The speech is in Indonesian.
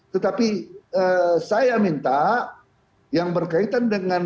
tetapi saya minta yang berkaitan dengan